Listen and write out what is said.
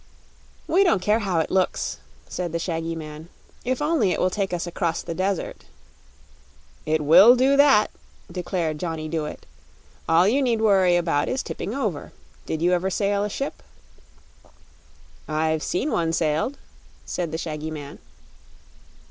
"We don't care how it looks," said the shaggy man, "if only it will take us across the desert." "It will do that," declared Johnny Dooit. "All you need worry about is tipping over. Did you ever sail a ship?" "I've seen one sailed," said the shaggy man.